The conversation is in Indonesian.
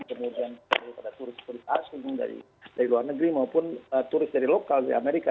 kemudian pada turis turis asing dari luar negeri maupun turis dari lokal di amerika